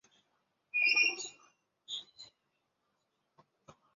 塞尔屈厄。